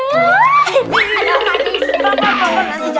ada apaan disini